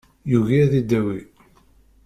Yugi ad idawi.